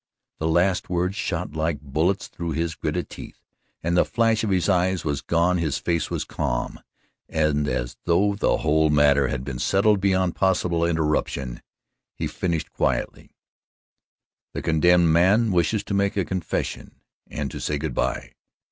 The last words shot like bullets through his gritted teeth, then the flash of his eyes was gone, his face was calm, and as though the whole matter had been settled beyond possible interruption, he finished quietly: "The condemned man wishes to make a confession and to say good by.